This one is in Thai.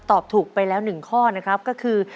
ตอบถูกไปแล้ว๑ข้อนะครับก็คือ